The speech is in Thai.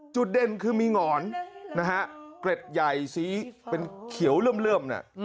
จุดเด่นคือมีหงอนนะฮะเกร็ดใหญ่สีเป็นเขียวเริ่มเนี่ย